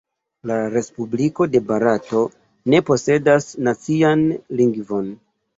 La Respubliko de Barato ne posedas nacian lingvon.